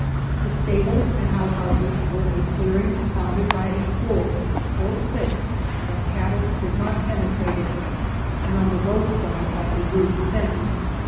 The stables and outhouses were a clearing bounded by a forest so thick that cattle could not penetrate it, and on the road side by a rude fence.